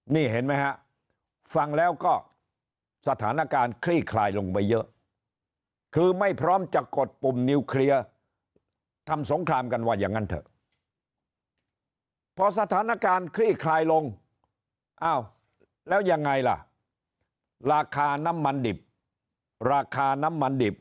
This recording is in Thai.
นี่เห็นไหมฮะฟังแล้วก็สถานการณ์คลี่คลายลงไปเยอะก็ไม่พร้อมจะกดปุ่มนิวเคลียร์ทำสงครามกันว่ายังงั้นเถอะ